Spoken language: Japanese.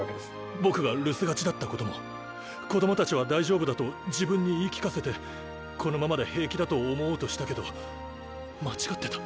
僕が留守がちだったことも子供たちは大丈夫だと自分に言い聞かせてこのままで平気だと思おうとしたけど間違ってた。